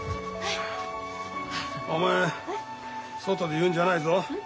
お前外で言うんじゃないぞ。